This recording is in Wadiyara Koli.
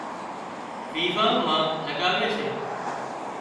ويوان مان لڳاوي سي